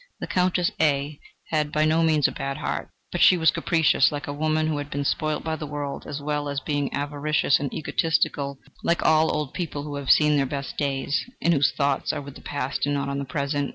The Countess A had by no means a bad heart, but she was capricious, like a woman who had been spoilt by the world, as well as being avaricious and egotistical, like all old people who have seen their best days, and whose thoughts are with the past and not the present.